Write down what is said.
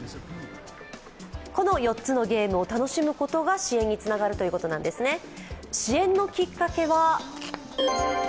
この４つのゲームを楽しむことが支援につながるということなんですね。